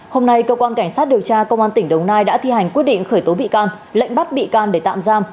hôm nay cơ quan cảnh sát điều tra công an tỉnh đồng nai đã thi hành quyết định khởi tố bị can lệnh bắt bị can để tạm giam